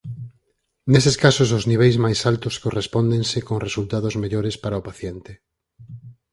Neses casos os niveis máis altos correspóndense con resultados mellores para o paciente.